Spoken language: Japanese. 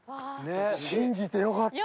信じてよかった。